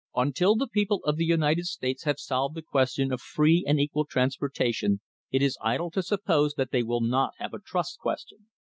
Until the people of the United States have solved the question of free and equal transportation it is idle to suppose that they will not have a trust question.